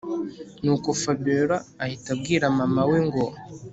Nuko Fabiora ahita abwira mama we ngo